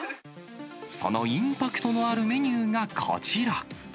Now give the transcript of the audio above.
そのインパクトのあるメニューがこちら。